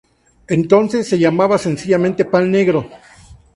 Entonces se llamaba sencillamente pan negro.